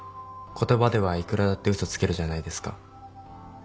言葉ではいくらだって嘘つけるじゃないですか。